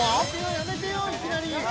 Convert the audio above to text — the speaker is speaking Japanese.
やめてよいきなり！